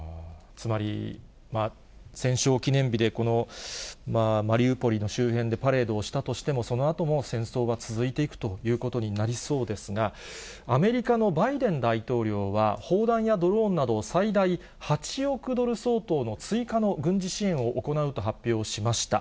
つまり、戦勝記念日でこのマリウポリの周辺でパレードをしたとしても、そのあとも戦争は続いていくということになりそうですが、アメリカのバイデン大統領は、砲弾やドローンなどを、最大８億ドル相当の追加の軍事支援を行うと発表しました。